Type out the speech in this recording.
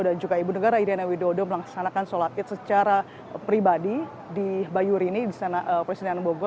dan juga ibu negara iryana widodo melaksanakan sholat id secara pribadi di bayu rini di sana presiden bogor